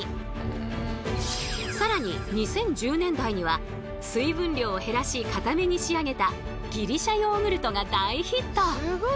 更に２０１０年代には水分量を減らしかために仕上げたギリシャヨーグルトが大ヒット。